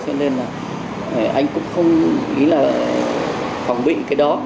cho nên là anh cũng không ý là phòng bị cái đó